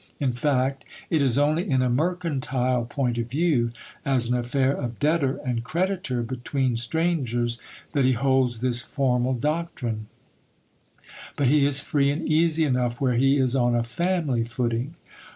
In fact, it is only in a mercantile point of view, as an affair of debtor and creditor between strangers, that he holds this formal doctrine ; but he is free and easy enough where he is on a family footing.